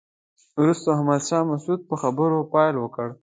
وروسته احمد شاه مسعود په خبرو پیل وکړ.